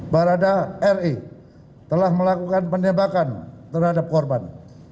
barada re telah melakukan penembakan terhadap korban